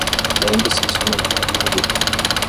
Lembre-se de sua memória favorita.